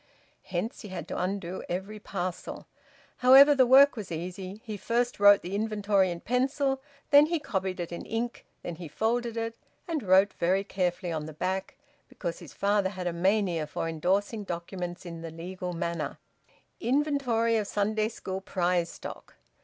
Hence he had to undo every parcel. However, the work was easy. He first wrote the inventory in pencil, then he copied it in ink; then he folded it, and wrote very carefully on the back, because his father had a mania for endorsing documents in the legal manner: "Inventory of Sunday school prize stock."